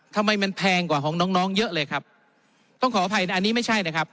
ทำไมมันแพงกว่าของน้องน้องเยอะเลยครับต้องขออภัยอันนี้ไม่ใช่นะครับ